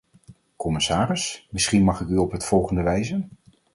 Commissaris, misschien mag ik u op het volgende wijzen.